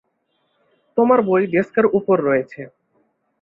তোমার বই ডেস্কের উপর রয়েছে।